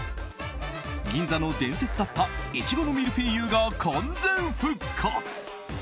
銀座の伝説だった苺のミルフィーユが完全復活。